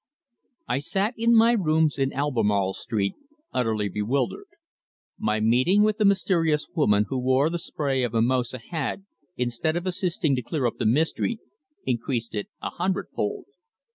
I sat in my rooms in Albemarle Street utterly bewildered. My meeting with the mysterious woman who wore the spray of mimosa had, instead of assisting to clear up the mystery, increased it a hundredfold.